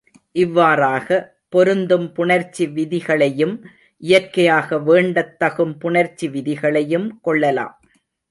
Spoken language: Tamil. இவ்வாறாக, பொருந்தும் புணர்ச்சி விதிகளையும் இயற்கையாக வேண்டத் தகும் புணர்ச்சி விதிகளையும் கொள்ளலாம்.